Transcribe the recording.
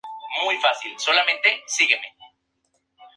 Han actuado en Europa y Estados Unidos.